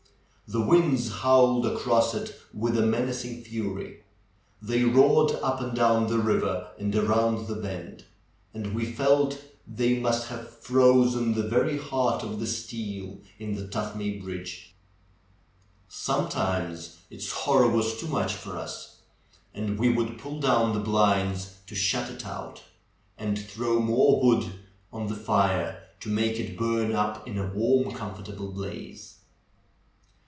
The winds howled across it with a menacing fury. They roared up and down the river and around the bend, and we felt they must have frozen the very heart of the steel in the Tuthmay bridge. Sometimes its horror was too much for us, and we would pull down the blinds to shut it out, and throw more w'ood on the fire to make it burn up in a warm, comfortable blaze.